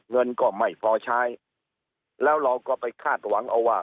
เงินก็ไม่พอใช้แล้วเราก็ไปคาดหวังเอาว่า